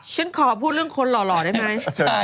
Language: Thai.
ฉันขอพูดเรื่องคนหล่อได้ไหม